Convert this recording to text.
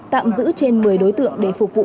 tạm giữ trên một mươi đối tượng để phục vụ